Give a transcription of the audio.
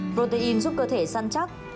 protein giúp cơ thể săn chắc